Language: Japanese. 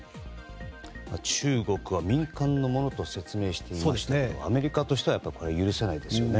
中国は民間のものと説明していましたがアメリカとしては許せないですよね。